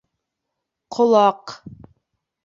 Ҡолаҡ!